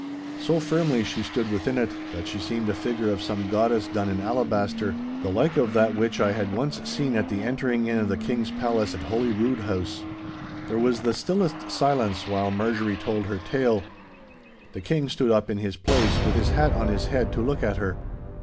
So firmly she stood within it, that she seemed a figure of some goddess done in alabaster, the like of that which I had once seen at the entering in of the King's palace at Holy rood House. There was the stillest silence while Marjorie told her tale. The King stood up in his place, with his hat on his head, to look at her.